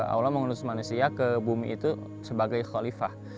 allah mengurus manusia ke bumi itu sebagai khalifah